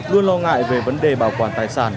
luôn lo ngại về vấn đề bảo quản tài sản